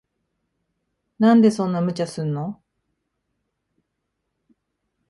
なんでそんな無茶すんの。